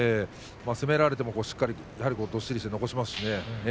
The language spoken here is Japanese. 攻められてもどっしりと残します。